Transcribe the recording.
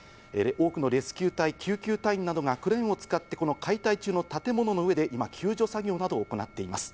多くのレスキュー隊、救急隊などが、クレーンを使って解体中の建物の上で救助作業を行っています。